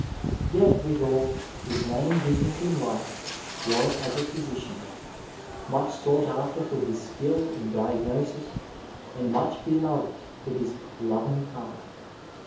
Tet withal, his main business in life was as a physician, much sought after for his skill in diagnosis, and much be loved for his loving heart.